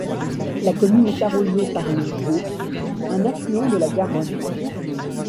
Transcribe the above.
La commune est arrosée par le Jô un affluent de la Garonne.